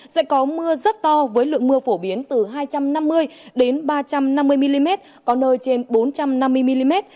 sẽ có mưa rất to với lượng mưa phổ biến từ hai trăm năm mươi đến ba trăm năm mươi mm có nơi trên bốn trăm năm mươi mm